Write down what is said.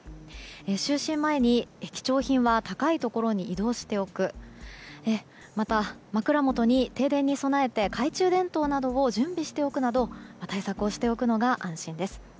就寝前に貴重品は高いところに移動しておくまた、枕元に停電に備えて懐中電灯などを準備しておくなど対策をしておくのが安心です。